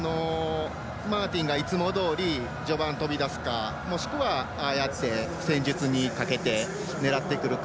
マーティンがいつもどおり序盤に飛び出すかもしくは、ああやって戦術にかけて狙ってくるか。